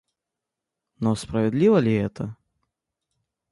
Но справедливо ли это?..